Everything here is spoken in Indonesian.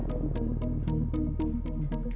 penjuri tolong tolong